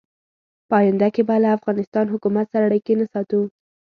په آینده کې به له افغانستان حکومت سره اړیکې نه ساتو.